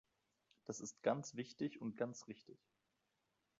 Das ist ganz wichtig und ganz richtig.